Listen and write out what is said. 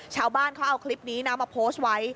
ชาวบ้านเขาเอาคลิปนี้นะมาโพสต์ไว้